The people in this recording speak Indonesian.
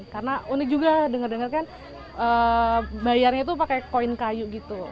karena unik juga dengar dengarkan bayarnya itu pakai koin kayu gitu